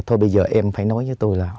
thôi bây giờ em phải nói với tôi là